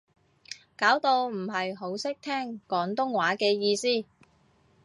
搞到唔係好識聽廣東話嘅意思